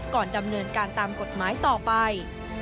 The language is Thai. ก่อนดำเนินการตามกฎหมายต่อไป